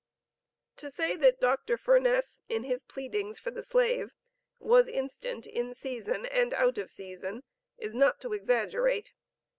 To say that Dr. Furness, in his pleadings for the slave, was "instant in season and out of season," is not to exaggerate.